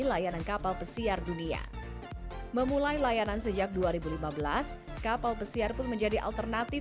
seluruh kru kapal pesiar ini juga bisa menjalani pemeriksaan kursif